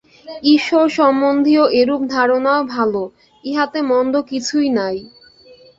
ঈশ্বর-সম্বন্ধীয় এরূপ ধারণাও ভাল, ইহাতে মন্দ কিছুই নাই।